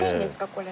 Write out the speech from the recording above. これ。